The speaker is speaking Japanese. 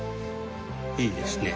いいですね。